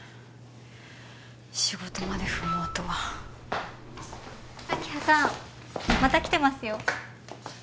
仕事まで不毛とは明葉さんまた来てますよ